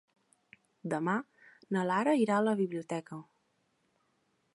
Demà na Lara irà a la biblioteca.